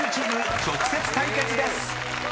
直接対決です！］